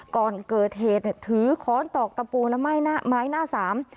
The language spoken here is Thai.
ก่อนเกิดเหตุถือค้อนตอกตะปูและไม้หน้าสาม